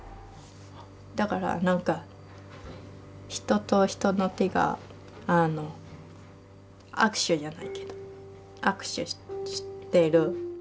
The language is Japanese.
だから何か人と人の手があの握手じゃないけど握手してる。